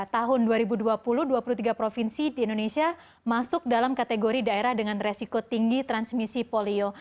tahun dua ribu dua puluh dua puluh tiga provinsi di indonesia masuk dalam kategori daerah dengan resiko tinggi transmisi polio